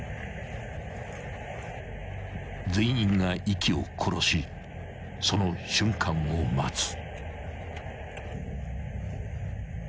［全員が息を殺しその瞬間を待つ］